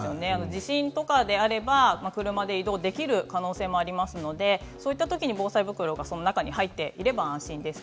地震とかであれば車で移動できる可能性もありますのでそういったときに中に防災袋が入っていれば安心です。